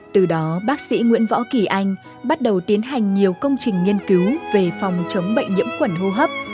từ đó bác sĩ nguyễn võ kỳ anh bắt đầu tiến hành nhiều công trình nghiên cứu về phòng chống bệnh nhiễm khuẩn hô hấp